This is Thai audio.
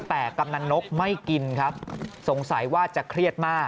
แต่กำนันนกไม่กินครับสงสัยว่าจะเครียดมาก